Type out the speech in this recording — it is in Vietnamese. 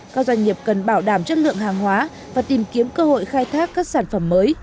các doanh nghiệp cần bảo đảm chất lượng hàng hóa và tìm kiếm cơ hội khai thác các sản phẩm mới